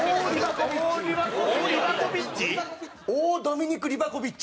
大ドミニク・リバコビッチ。